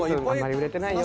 売れないよ。